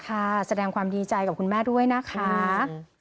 แสดงความดีใจกับคุณแม่ด้วยนะคะ